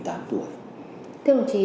thưa đồng chí